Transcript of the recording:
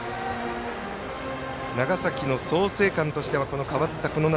長崎、創成館としては代わったこの夏